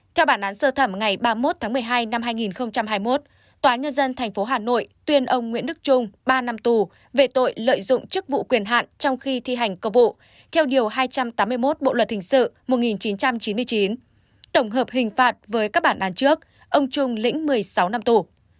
theo bản án sơ thẩm ngày ba mươi một tháng một mươi hai năm hai nghìn hai mươi một tòa nhân dân tp hà nội tuyên ông nguyễn đức trung ba năm tù về tội lợi dụng chức vụ quyền hạn trong khi thi hành công vụ theo điều hai trăm tám mươi một bộ luật hình sự một nghìn chín trăm chín mươi chín tổng hợp hình phạt với các bản án trước ông trung lĩnh một mươi sáu năm tù